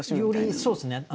よりそうですね。